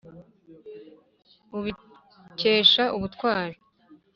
ubikesha ubutwari !